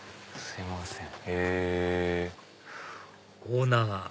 すみません。